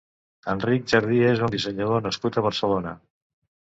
Enric Jardí és un dissenyador nascut a Barcelona.